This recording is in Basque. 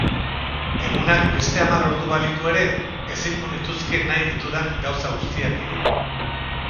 Egunak beste hamar ordu balitu ere, ezingo nituzke nahi ditudan gauza guztiak egin.